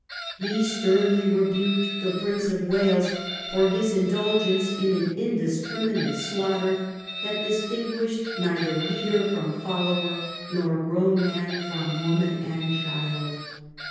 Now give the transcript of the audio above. He sternly rebuked the Prince of Wales for his indulgence in an indiscriminate slaughter that distinguished neither leader from follower, nor grown man from woman and child.